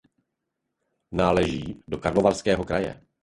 Náleží do Karlovarského kraje.